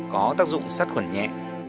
có tác dụng sát khuẩn nhẹ